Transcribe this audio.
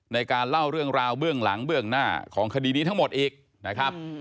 ในการเล่าเรื่องราวเบื้องหลังเบื้องหน้าของคดีนี้ทั้งหมดอีกนะครับ